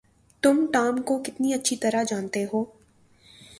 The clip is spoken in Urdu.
تم ٹام کو کتنی اچھی طرح جانتے ہو؟